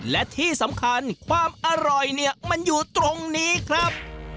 และที่สำคัญความอร่อยเนี่ยมันอยู่ตรงนี้ครับ